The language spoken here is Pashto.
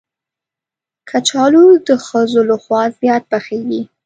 کچالو د ښځو لخوا زیات پخېږي